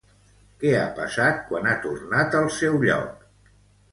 Què ha passat quan ha tornat al seu lloc?